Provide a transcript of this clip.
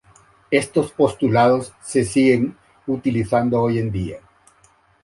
Estos postulados se siguen utilizando hoy en día.